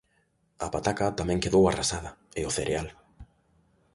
A pataca tamén quedou arrasada, e o cereal.